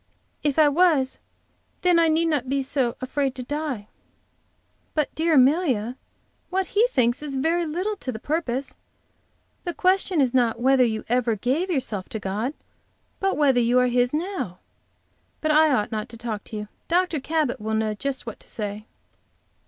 If I was, then I need not be so afraid to die." "But, dear Amelia, what he thinks is very little to the purpose. The question is not whether you ever gave yourself to God, but whether you are His now. But I ought not to talk to you. Dr. Cabot will know just what to say."